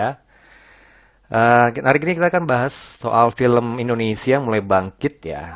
hari ini kita akan bahas soal film indonesia mulai bangkit ya